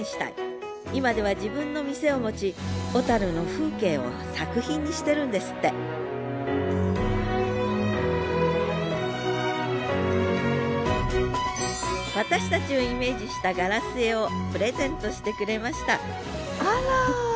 今では自分の店を持ち小の風景を作品にしてるんですって私たちをイメージしたガラス絵をプレゼントしてくれましたあら。